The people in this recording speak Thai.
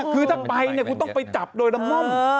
คือถ้าไปกูต้องไปจับโดยละห่ม